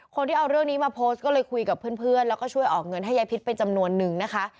คนที่เอาเรื่องนี้มาโพสต์ก็เลยคุยกับเพื่อนแล้วก็ช่วยออกเงินให้ยายพิษเป็นจำนวนนึงนะคะ